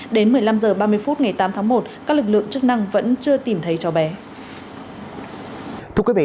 đến một mươi năm h ba mươi phút ngày tám tháng một các lực lượng chức năng vẫn chưa tìm thấy cháu bé